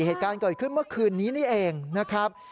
เหตุการณ์เกิดขึ้นเมื่อคืนนี้นี่เองนะครับ